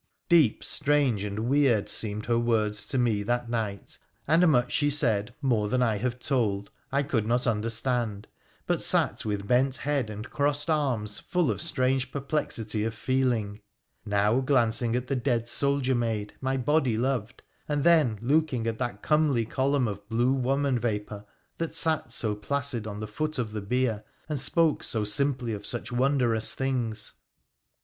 Deep, strange, and weird seemed_her words to me that night, and much she said more than i have told I could not understand, but sat with bent head and crossed arms full of strange perplexity of feeling, now glancing at the dead soldier maid my body loved, and then looking at that comely column of blue woman vapour, that sat so placid on the foot of the bier and spoke so simply of such wondrous things.